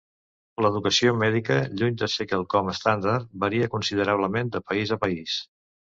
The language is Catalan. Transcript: L'educació mèdica, lluny de ser quelcom estàndard, varia considerablement de país a país.